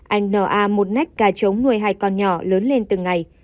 anh n a một nách gà trống nuôi hai con nhỏ lớn lên từng ngày